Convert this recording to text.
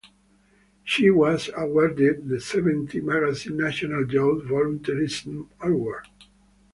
She was awarded the Seventeen Magazine National Youth Volunteerism Award.